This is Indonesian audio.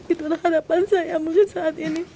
itulah harapan saya mungkin saat ini